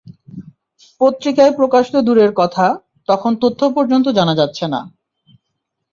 পত্রিকায় প্রকাশ তো দূরের কথা, তখন তথ্য পর্যন্ত জানা যাচ্ছে না।